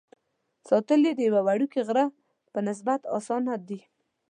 ساتل یې د یوه وړوکي غره په نسبت اسانه دي.